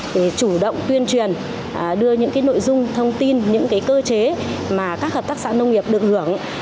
để chủ động tuyên truyền đưa những nội dung thông tin những cơ chế mà các hợp tác xã nông nghiệp được hưởng